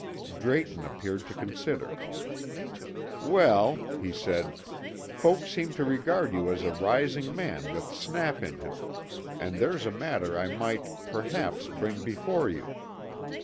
Drayton appeared to consider. "Well," he said, "folks seem to regard you as a rising man with snap in him, and there's a matter I might, perhaps, bring before you.